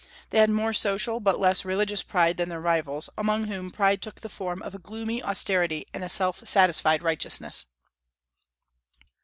They had more social but less religious pride than their rivals, among whom pride took the form of a gloomy austerity and a self satisfied righteousness.